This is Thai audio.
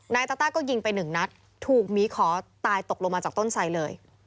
นายตาต้าก็ยิงไปหนึ่งนัดถูกหมีขอตายตกลงมาจากต้นไสเลย